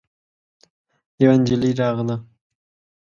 يوه نجلۍ راغله.